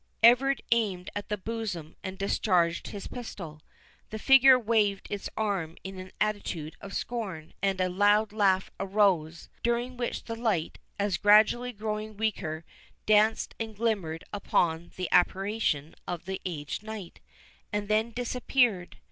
Everard aimed at the bosom, and discharged his pistol. The figure waved its arm in an attitude of scorn; and a loud laugh arose, during which the light, as gradually growing weaker, danced and glimmered upon the apparition of the aged knight, and then disappeared.